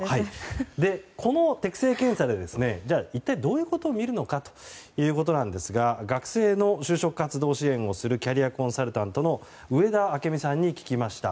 この適性検査で一体どういうことを見るのかということなんですが学生の就職活動支援をするキャリアコンサルタントの上田晶美さんに聞きました。